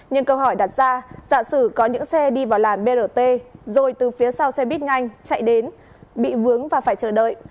nhưng câu hỏi đặt ra giả sử có những xe đi vào làn brt rồi từ phía sau xe buýt nhanh chạy đến bị vướng và phải chờ đợi